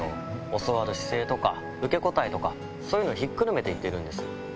教わる姿勢とか、受け答えとか、そういうのをひっくるめて言ってるんです。